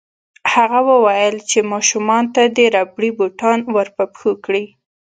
هغه وویل چې ماشومانو ته دې ربړي بوټان ورپه پښو کړي